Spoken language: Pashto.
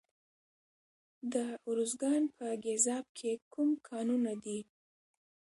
د ارزګان په ګیزاب کې کوم کانونه دي؟